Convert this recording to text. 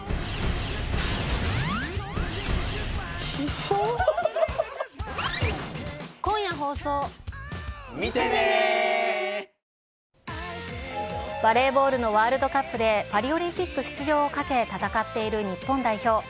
そんな中、エンゼルスは先ほど、バレーボールのワールドカップで、パリオリンピック出場をかけ、戦っている日本代表。